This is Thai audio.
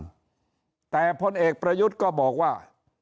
โดยประมาณแต่พลเอกประยุทธ์ก็บอกว่า